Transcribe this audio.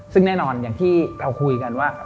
ซึ่งแน่นอนอย่างที่เราคุยกันว่า